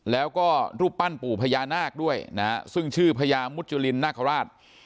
แล้วก็รูปปั้นปู่พญานาคด้วยนะฮะซึ่งชื่อพญามุจุลินนาคาราช